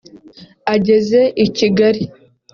Ageze i Kigali